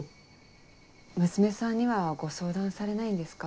娘さんにはご相談されないんですか？